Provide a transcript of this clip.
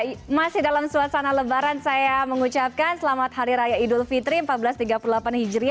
baik masih dalam suasana lebaran saya mengucapkan selamat hari raya idul fitri seribu empat ratus tiga puluh delapan hijri